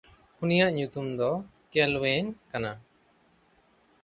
ᱩᱱᱤᱭᱟᱜ ᱧᱩᱛᱩᱢ ᱫᱚ ᱠᱮᱞᱶᱮᱣᱱ ᱠᱟᱱᱟ᱾